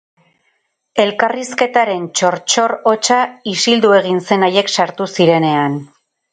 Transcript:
Elkarrizketaren txor-txor hotsa isildu egin zen haiek sartu zirenean.